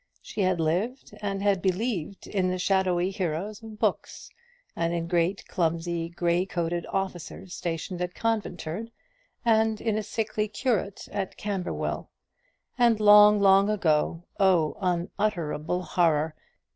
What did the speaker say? She had lived, and had believed in the shadowy heroes of books, and in great clumsy grey coated officers stationed at Conventford, and in a sickly curate at Camberwell; and long, long ago oh, unutterable horror!